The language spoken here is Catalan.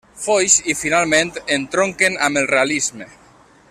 Foix i, finalment, entronquen amb el realisme.